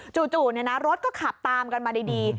จู่รถก็ขับตามกันมาดี